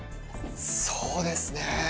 そうですね。